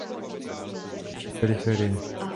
Složitější periferie